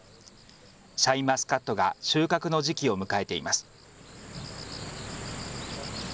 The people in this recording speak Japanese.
シャインマスカットが収穫の時期を迎えています。